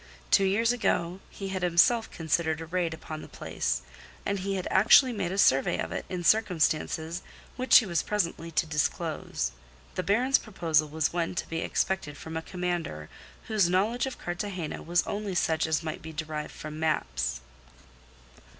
Two years ago he had himself considered a raid upon the place, and he had actually made a survey of it in circumstances which he was presently to disclose. The Baron's proposal was one to be expected from a commander whose knowledge of Cartagena was only such as might be derived from maps.